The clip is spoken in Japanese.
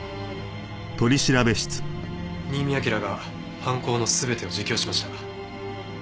新見アキラが犯行の全てを自供しました。